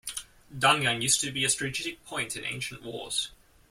Dangyang used to be a strategic point in ancient wars.